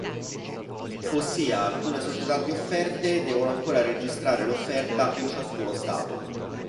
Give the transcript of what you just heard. Ossia, alcune società di offerte devono ancora registrare l'offerta in ciascuno Stato.